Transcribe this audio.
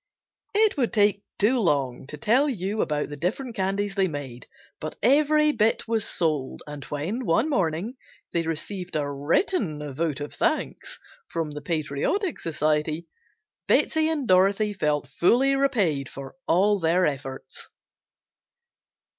It would take too long to tell you about the different candies they made, but every bit was sold, and when, one morning, they received a written "vote of thanks" from the patriotic society, Betsey and Dorothy felt fully repaid for all their efforts.